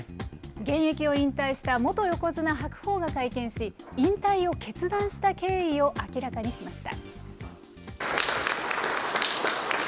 現役を引退した元横綱・白鵬が会見し、引退を決断した経緯を明らかにしました。